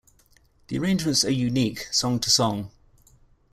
The arrangements are unique, song to song.